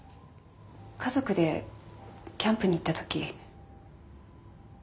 家族でキャンプに行ったとき。